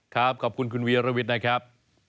ครับขอบคุณคุณวีรวิทนะครับ